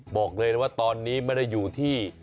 บอกเลยน่ะว่าตอนนี้น่ะอยู่ที่